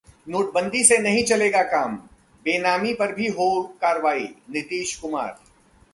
नोटबंदी से नहीं चलेगा काम, बेनामी पर भी हो कार्रवाई: नीतीश कुमार